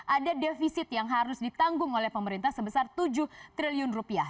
ada defisit yang harus ditanggung oleh pemerintah sebesar tujuh triliun rupiah